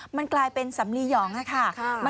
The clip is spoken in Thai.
มันกลายเป็นสำลีหยองค่ะ